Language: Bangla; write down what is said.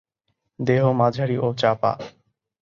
দেহ মাঝারি ও চাপা।